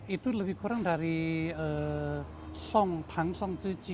itu lebih kurang dari song tang song zi ji